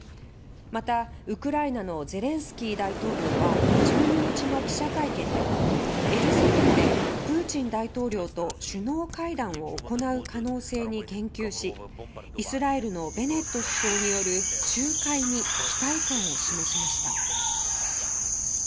また、ウクライナのゼレンスキー大統領は１２日の記者会見でエルサレムでプーチン大統領と首脳会談を行う可能性に言及しイスラエルのベネット首相による仲介に期待感を示しました。